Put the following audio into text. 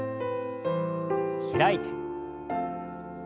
開いて。